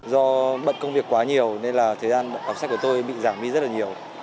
do bận công việc quá nhiều nên là thời gian đọc sách của tôi bị giảm đi rất là nhiều